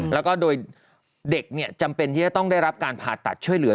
แล้วก็โดยเด็กจำเป็นที่จะต้องได้รับการผ่าตัดช่วยเหลือ